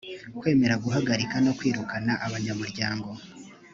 kwemera guhagarika no kwirukana abanyamuryango